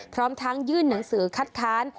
พร้อมทั้งยื่นหนังสือคัดค้าน